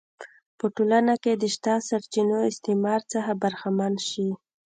په ټولنه کې د شته سرچینو استثمار څخه برخمن شي.